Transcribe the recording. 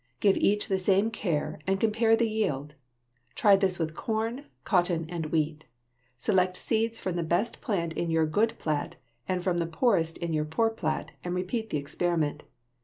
Give each the same care and compare the yield. Try this with corn, cotton, and wheat. Select seeds from the best plant in your good plat and from the poorest in your poor plat and repeat the experiment.